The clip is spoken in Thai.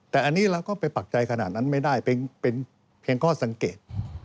แต่อันนี้เราก็ไปปักใจขนาดนั้นไม่ได้เป็นเพียงข้อสังเกต